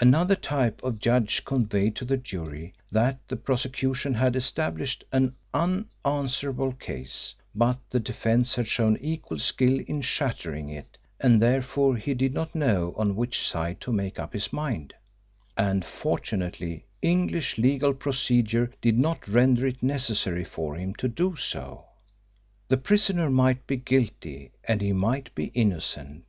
Another type of judge conveyed to the jury that the prosecution had established an unanswerable case, but the defence had shown equal skill in shattering it, and therefore he did not know on which side to make up his mind, and fortunately English legal procedure did not render it necessary for him to do so. The prisoner might be guilty and he might be innocent.